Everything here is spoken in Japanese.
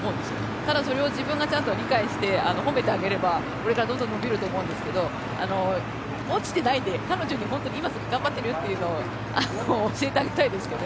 ただ、それを自分がちゃんと理解して褒めてあげればこれからどんどん伸びると思うんですけど落ちてないんで、彼女に本当に今すぐ頑張ってるってことを教えてあげたいですよね。